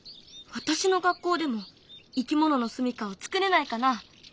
私の学校でもいきもののすみかをつくれないかな？